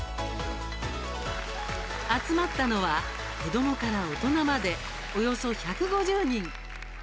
集まったのは子どもから大人までおよそ１５０人。